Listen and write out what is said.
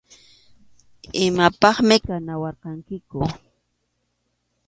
Imapaqmi kanawarqankiku.